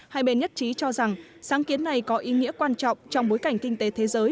hai bên nhất trí cho rằng sáng kiến này có ý nghĩa quan trọng trong bối cảnh kinh tế thế giới